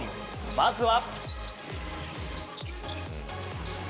まずは。